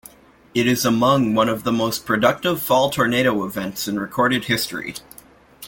It is among one the most productive Fall tornado events in recorded history.